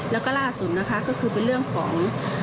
แล้วก็ล่าสุดนะคะก็คือเป็นเรื่องของ